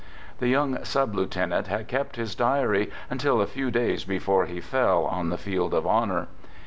The young sub lieutenant had kept his diary until a few days before he fell on the field of honor.